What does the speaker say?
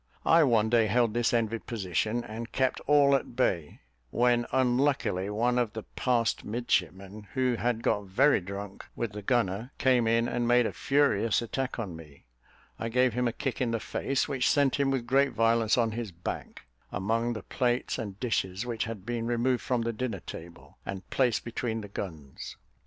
I one day held this envied position, and kept all at bay, when, unluckily, one of the passed midshipmen, who had got very drunk with the gunner, came in and made a furious attack on me. I gave him a kick on the face, that sent him with great violence on his back, among the plates and dishes, which had been removed from the dinner table and placed between the guns.